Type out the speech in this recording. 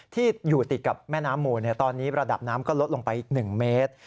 ที่อยู่ติดกับแม่น้ำมูลตอนนี้ระดับน้ำก็ลดลงไปอีก๑เมตร